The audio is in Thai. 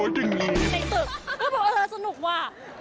ล่ะสนุกว่ะ